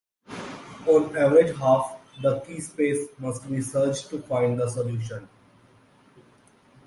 On average, half the key space must be searched to find the solution.